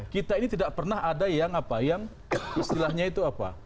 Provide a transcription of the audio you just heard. kita ini tidak pernah ada yang apa yang istilahnya itu apa